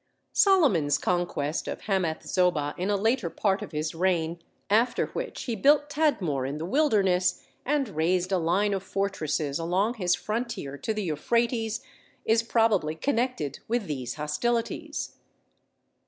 Solomon's conquest of Hamath Zobah in a later part of his reign, after which he built Tadmor in the wilderness and raised a line of fortresses along his frontier to the Euphrates, is probably connected with these hostilities.